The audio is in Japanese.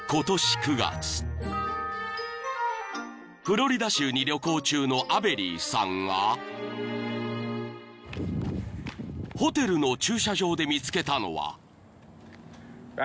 ［フロリダ州に旅行中のアベリーさんがホテルの駐車場で見つけたのは］